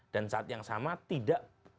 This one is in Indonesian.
dan saat yang sama tidak